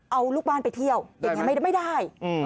เอาลูกบ้านไปเที่ยวได้ไหมไม่ได้